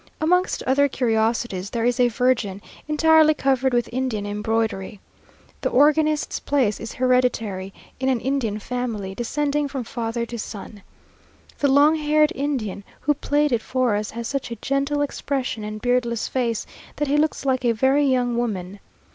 Amongst other curiosities there is a Virgin, entirely covered with Indian embroidery. The organist's place is hereditary in an Indian family, descending from father to son. The long haired Indian who played it for us has such a gentle expression and beardless face, that he looks like a very young woman.